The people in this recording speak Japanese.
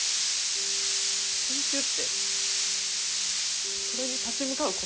研究ってそれに立ち向かうことですか？